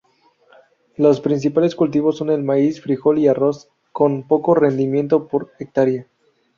Los principales cultivos son el maíz, frijol y arroz, con poco rendimiento por hectárea.